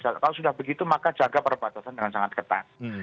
kalau sudah begitu maka jaga perbatasan dengan sangat ketat